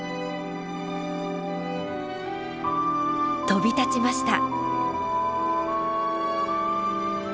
飛び立ちました。